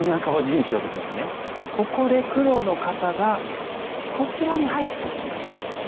ここで黒の方がこちらに入っていきました。